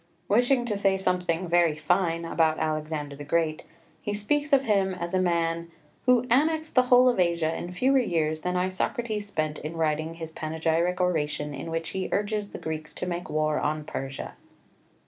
Wishing to say something very fine about Alexander the Great he speaks of him as a man "who annexed the whole of Asia in fewer years than Isocrates spent in writing his panegyric oration in which he urges the Greeks to make war on Persia."